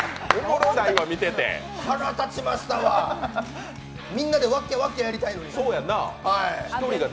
腹立ちましたわ、みんなでわっきゃわっきゃやりたいのに。